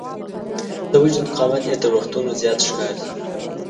د وجود قامت یې تر وختونو زیات ښکاري.